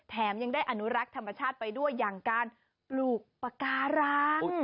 ยังได้อนุรักษ์ธรรมชาติไปด้วยอย่างการปลูกปากการัง